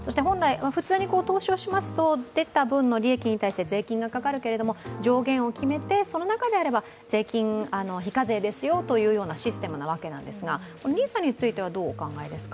普通に投資をしますと出た分の利益に対して税金がかかるけども、上限を決めてその中であれば、非課税ですよというシステムなわけですが、ＮＩＳＡについては、どうお考えですか？